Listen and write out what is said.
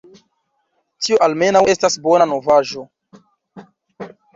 Tio almenaŭ estas bona novaĵo.